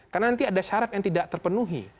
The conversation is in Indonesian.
karena nanti ada syarat yang tidak terpenuhi